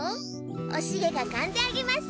おシゲがかんであげます。